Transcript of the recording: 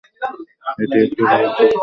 এটি একটি ধর্মশাস্ত্র হিসেবে উল্লিখিত হয়েছে।